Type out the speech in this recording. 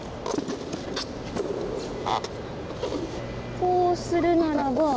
こうするならば。